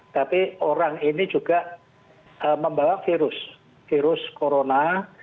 tapi orang ini juga membawa virus virus corona